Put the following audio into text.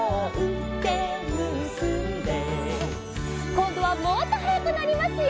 こんどはもっとはやくなりますよ！